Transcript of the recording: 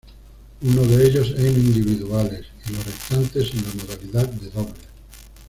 Uno de ellos en individuales y los restantes en la modalidad de dobles.